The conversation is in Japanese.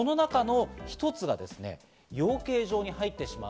その中の１つが養鶏場に入ってしまう。